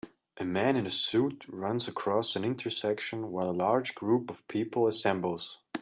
A man in a suit runs across an intersection while a large group of people assembles.